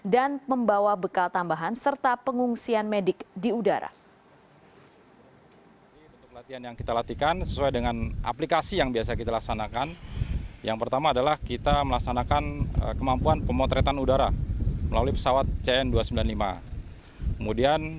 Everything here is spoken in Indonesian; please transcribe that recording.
dan membawa bekal tambahan serta pengungsian medik di udara